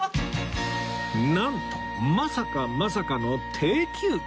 なんとまさかまさかの定休日